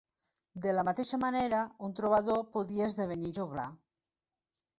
De la mateixa manera, un trobador podia esdevenir joglar.